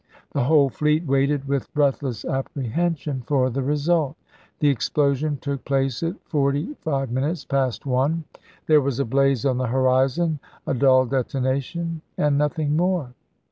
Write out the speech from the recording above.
The whole fleet waited with breathless apprehension for the result. The ex plosion took place at forty five minutes past one ; there was a blaze on the horizon, a dull detonation, and nothing more.